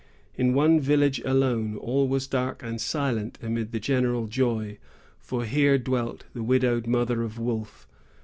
In one village alone all was dark and silent amid the general joy; for here dwelt the widowed mother of Wolfe.